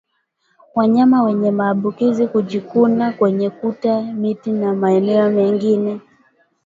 Wanyama wenye maambukizi hujikuna kwenye kuta miti na maeneo mengine